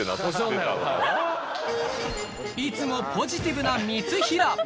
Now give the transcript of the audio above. いつもポジティブな三平。